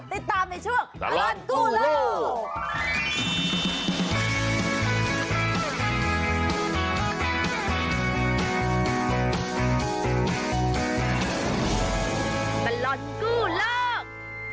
ติดตามในช่วงตลอดกู้โลก